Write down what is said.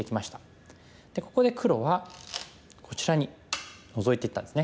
ここで黒はこちらにノゾいていったんですね。